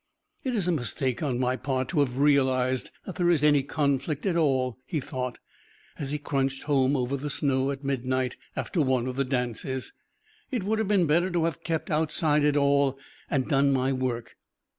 "It is a mistake on my part to have realised that there is any conflict at all," he thought, as he crunched home over the snow at midnight after one of the dances. "It would have been better to have kept outside it all and done my work.